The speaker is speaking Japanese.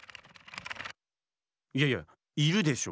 いやいやいるでしょ。